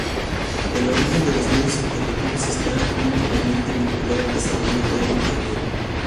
El origen de los medios alternativos está íntimamente vinculado al desarrollo de Internet.